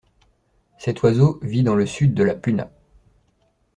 Cet oiseau vit dans le sud de la puna.